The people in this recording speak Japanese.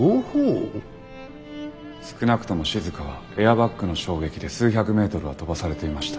少なくともしずかはエアバッグの衝撃で数百メートルは飛ばされていました。